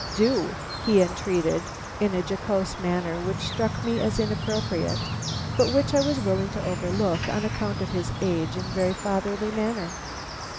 "Do," he entreated in a jocose manner which struck me as inappropriate, but which I was willing to overlook on account of his age and very fatherly manner.